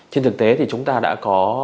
trên thực tế thì chúng ta đã có